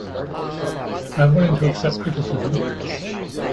I am willing to accept criticism.